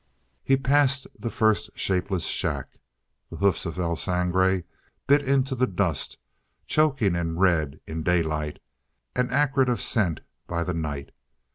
He passed the first shapeless shack. The hoofs of El Sangre bit into the dust, choking and red in daylight, and acrid of scent by the night.